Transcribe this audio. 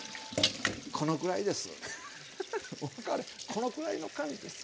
このくらいの感じです。